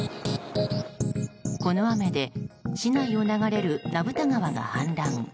この雨で市内を流れる名蓋川が氾濫。